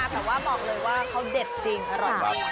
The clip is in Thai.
แต่ว่าบอกเลยว่าเขาเด็ดจริงอร่อยมาก